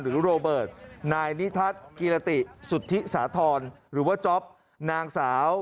โรเบิร์ตนายนิทัศน์กิรติสุธิสาธรณ์หรือว่าจ๊อปนางสาว